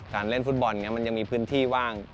การเล่นฟุตบอลอย่างนี้มันยังมีพื้นที่ว่าง